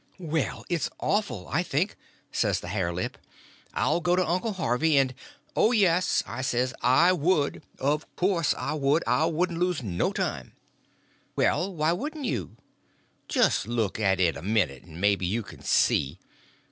"Well, it's awful, I think," says the hare lip. "I'll go to Uncle Harvey and—" "Oh, yes," I says, "I would. Of course I would. I wouldn't lose no time." "Well, why wouldn't you?" "Just look at it a minute, and maybe you can see.